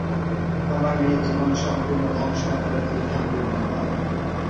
আমার মেয়ের জীবন সম্পূর্ণ ধ্বংস না করে তুই থামবি না, না?